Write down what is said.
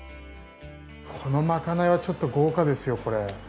このまかないはちょっと豪華ですよこれ。